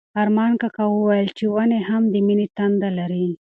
ارمان کاکا وویل چې ونې هم د مینې تنده لري.